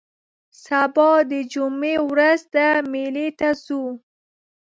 سبا د جمعې ورځ ده مېلې ته ځو